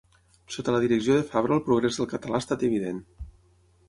Sota la direcció d'en Fabra el progrés del català ha estat evident.